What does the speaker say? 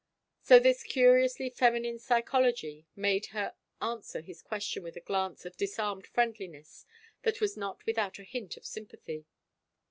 So this curiously feminine psy chology made her answer his question with a glance of disarmed friendliness that was not without a hint of sympathy.